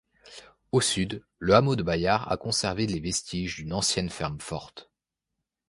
Au sud, le hameau de Bayard a conservé les vestiges d'une ancienne ferme forte.